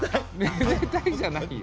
「めでたい」じゃないよ。